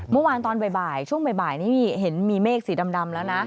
เมื่อวานตอนบ่ายช่วงบ่ายนี่เห็นมีเมฆสีดำแล้วนะ